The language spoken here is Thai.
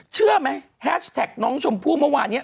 เชื่อไหมแฮชแท็กน้องชมพู่เมื่อวานนี้